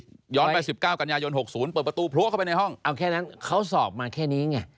ช้อน๘๙กัญญายน๖๐เปิดประตูพลัวเข้ามาวนี้